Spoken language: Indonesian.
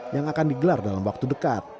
yang akan digelar dalam waktu dekat